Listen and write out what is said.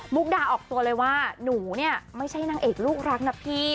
ดาออกตัวเลยว่าหนูเนี่ยไม่ใช่นางเอกลูกรักนะพี่